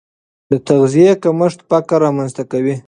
د تغذیې کمښت فقر رامنځته کوي.